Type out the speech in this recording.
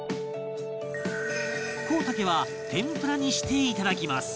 コウタケは天ぷらにしていただきます